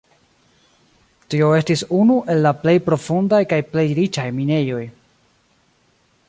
Tio estis unu el la plej profundaj kaj plej riĉaj minejoj.